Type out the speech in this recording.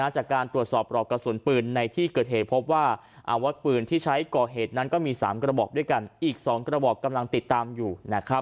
จากการตรวจสอบปลอกกระสุนปืนในที่เกิดเหตุพบว่าอาวุธปืนที่ใช้ก่อเหตุนั้นก็มี๓กระบอกด้วยกันอีก๒กระบอกกำลังติดตามอยู่